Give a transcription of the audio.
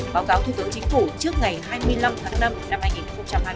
báo cáo thủ tướng chính phủ trước ngày hai mươi năm tháng năm